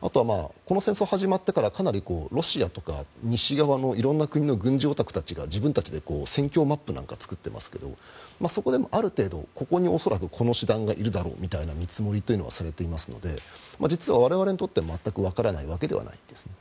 あとはこの戦争が始まってからかなりロシアとか西側の色んな国の軍事オタクたちが自分たちで戦況マップなんか作っていますけどそこである程度ここに恐らくこの師団がいるだろうみたいなのはされていますので実は我々にとっても全くわからないわけではないですね。